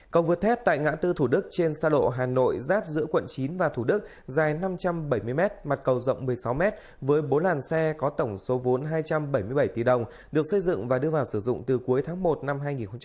cầu vượt thép tại ngã tư thủ đức trên xa lộ hà nội giáp giữa quận chín và thủ đức dài năm trăm bảy mươi m mặt cầu rộng một mươi sáu m với bốn làn xe có tổng số vốn hai trăm bảy mươi bảy tỷ đồng được xây dựng và đưa vào sử dụng từ cuối tháng một năm hai nghìn hai mươi